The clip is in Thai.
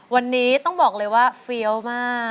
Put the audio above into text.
วันนี้ต้องบอกเลยว่าเฟี้ยวมาก